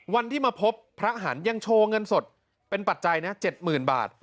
วันที่มาพบพระหันต์ยังโชว์เงินสดเป็นปัจจัยนะ๗๐๐๐บาท